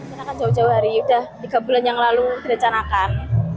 di rekan rekan jauh jauh hari sudah tiga bulan yang lalu direkanakan